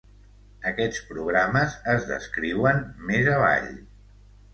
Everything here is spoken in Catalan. Aquests programes es descriuen més avall.